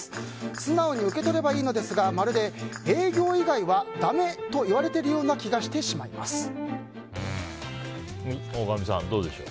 素直に受け取ればいいのですがまるで営業以外はだめと言われているような大神さん、どうでしょう？